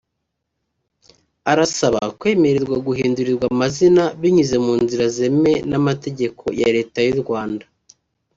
Arasaba kwemererwa guhindurirwa amazina binyuze mu nzira zemewe n’amategeko ya Leta y'u Rwanda